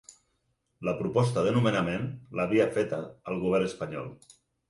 La proposta de nomenament, l’havia feta el govern espanyol.